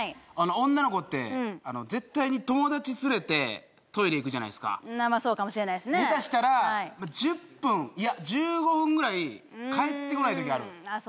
女の子って絶対に友達つれてトイレ行くじゃないですかそうかもしれないですね下手したら１０分いや１５分ぐらい帰ってこないときあるああ